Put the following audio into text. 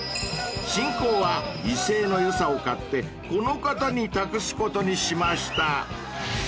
［進行は威勢のよさを買ってこの方に託すことにしました］